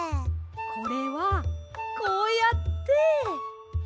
これはこうやって。